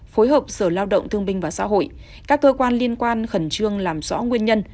phối hợp sở lao động thương binh và xã hội các cơ quan liên quan khẩn trương làm rõ nguyên nhân